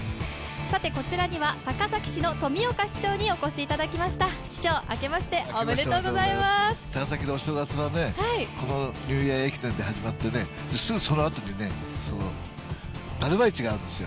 こちらには高崎市の富岡市長にお越しいただきました、明けましておめでとうございます高崎の人たちはこのニューイヤー駅伝から始まって、すぐそのあとに、だるま市があるんですよ。